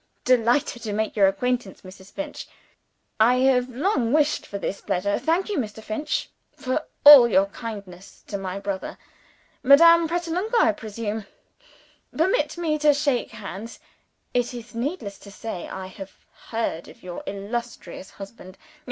"Delighted to make your acquaintance, Mrs. Finch I have long wished for this pleasure. Thank you, Mr. Finch, for all your kindness to my brother. Madame Pratolungo, I presume? Permit me to shake hands. It is needless to say, I have heard of your illustrious husband.